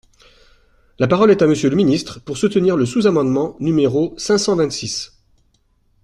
La parole est à Monsieur le ministre, pour soutenir le sous-amendement numéro cinq cent vingt-six.